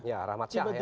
ya rahmat syah ya